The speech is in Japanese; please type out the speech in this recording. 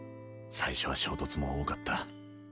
最初は衝突も多かった。